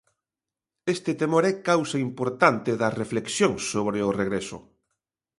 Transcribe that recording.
Este temor é causa importante das reflexións sobre o regreso.